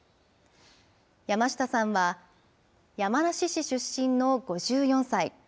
山下さんは山梨市出身の５４歳。